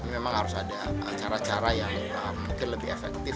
memang harus ada cara cara yang mungkin lebih efektif